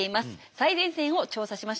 最前線を調査しました。